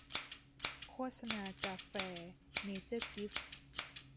โฆษณากาแฟ เนเจอร์กิ๊ฟ